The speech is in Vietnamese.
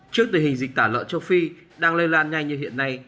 trước tình hình dịch tả lợn châu phi đang lây lan nhanh như hiện nay